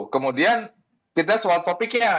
kemudian kita soal topiknya